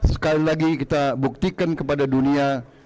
sekali lagi kita buktikan kepada dunia